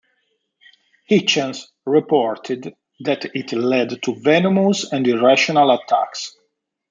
Hitchens reported that it led to venomous and irrational attacks.